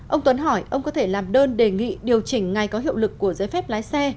ông tuấn hỏi ông có thể làm đơn đề nghị điều chỉnh ngày có hiệu lực của giấy phép lái xe